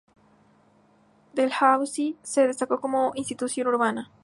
Dalhousie se destacó como una institución urbana.